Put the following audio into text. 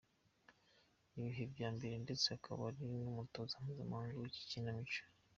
bihe byo hambere, ndetse akaba ari numutoza mpuzamahanga wikinamico.